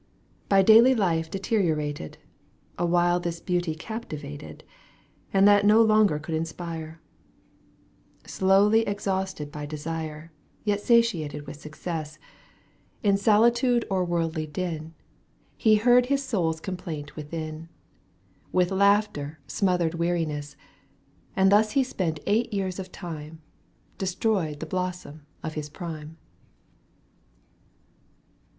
By daily life deteriorated, Awhile this beauty captivated. And that no longer could inspire. Slowly exhausted by desire. Yet satiated with success, Digitized by CjOOQ 1С САЭТЮ IV. EUGENE ONIEGUINE, 101 In solitude or worldly din, He heard his soul's complaint within, With laughter smothered weariness : And thus he spent eight years of time, \ Destroyed the blossom of his prime.